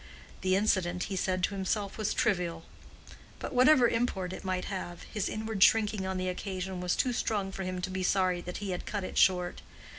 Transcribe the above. The incident, he said to himself, was trivial; but whatever import it might have, his inward shrinking on the occasion was too strong for him to be sorry that he had cut it short.